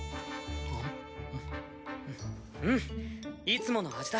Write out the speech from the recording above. うんいつもの味だ。